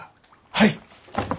はい！